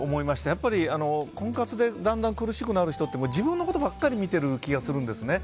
やっぱり婚活でだんだん苦しくなる人って自分のことばかり見ている気がするんですね。